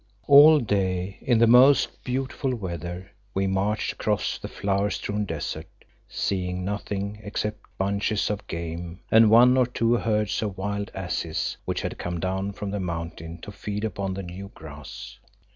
All day in the most beautiful weather we marched across the flower strewn desert, seeing nothing except bunches of game and one or two herds of wild asses which had come down from the mountains to feed upon the new grass.